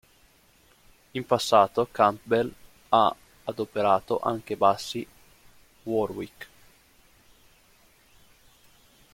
In passato, Campbell ha adoperato anche bassi Warwick.